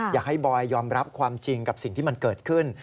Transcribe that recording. บอยยอมรับความจริงกับสิ่งที่มันเกิดขึ้น